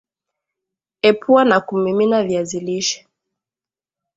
Epua na kumimina viazi lishe